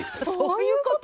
そういうこと？